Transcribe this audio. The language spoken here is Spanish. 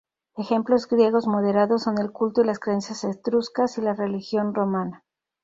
Ejemplos griegos moderados son el culto y las creencias etruscas y la religión romana.